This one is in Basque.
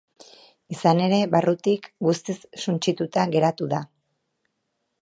Izan ere, barrutik guztiz suntsituta geratu da.